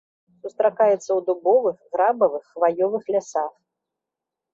Сустракаецца ў дубовых, грабавых, хваёвых лясах.